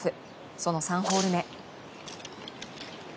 その３ホール目。